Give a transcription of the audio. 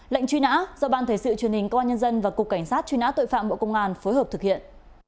lệnh truy nã do ban thể sự truyền hình công an nhân dân và cục cảnh sát truy nã tội phạm bộ công an phối hợp thực hiện